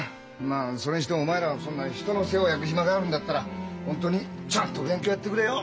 まあそれにしてもお前らそんな人の世話を焼く暇があるんだったら本当にちゃんと勉強やってくれよ。